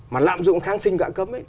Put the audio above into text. mà lạm dụng kháng sinh gã cấm